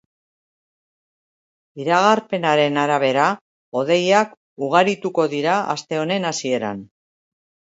Iragarpenaren arabera, hodeiak ugarituko dira aste honen hasieran.